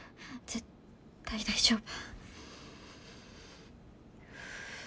絶対大丈夫。